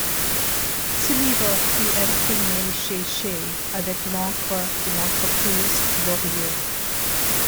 Ce livre fut imprimé chez Chaix avec de l'encre de l'entreprise Lorilleux.